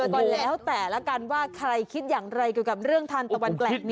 ก็แล้วแต่ละกันว่าใครคิดอย่างไรเกี่ยวกับเรื่องทานตะวันแกรก